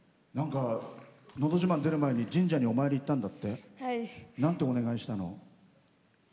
「のど自慢」に出る前に神社にお参り行ったんだって？なんてお願いしたの？